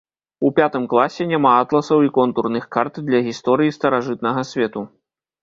У пятым класе няма атласаў і контурных карт для гісторыі старажытнага свету.